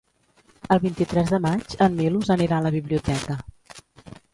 El vint-i-tres de maig en Milos anirà a la biblioteca.